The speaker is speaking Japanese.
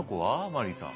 マリーさん。